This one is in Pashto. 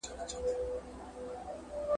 زما یقین دی خدای ته نه دی د منلو `